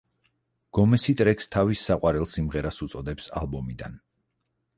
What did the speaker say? გომესი ტრეკს თავის საყვარელ სიმღერას უწოდებს ალბომიდან.